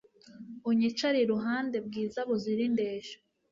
unyicare iruhande, bwiza buzira indeshyo